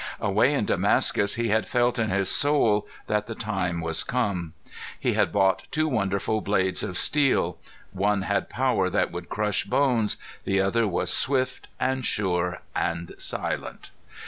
Away in Damascus he had felt in his soul that the time was come. He had bought two wonderful blades of steel. One had power that would crush bones, the other was swift and sure and silent.